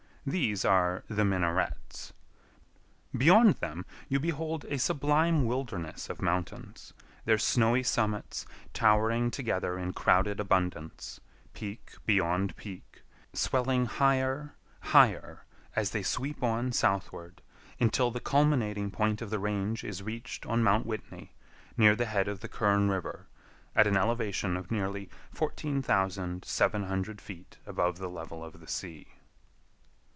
These are "The Minarets." Beyond them you behold a sublime wilderness of mountains, their snowy summits towering together in crowded abundance, peak beyond peak, swelling higher, higher as they sweep on southward, until the culminating point of the range is reached on Mount Whitney, near the head of the Kern River, at an elevation of nearly 14,700 feet above the level of the sea.